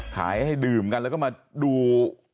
ให้ดื่มกันแล้วก็มาดู